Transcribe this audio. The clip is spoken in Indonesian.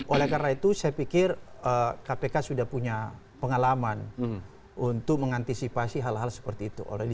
oleh karena itu saya pikir kpk sudah punya pengalaman untuk mengantisipasi hal hal seperti itu